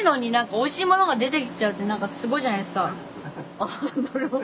あなるほど。